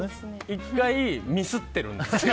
１回、ミスってるんです。